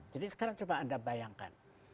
sekarang coba anda bayangkan